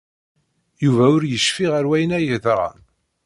Yuba ur yecfi ɣef wayen ay yeḍran.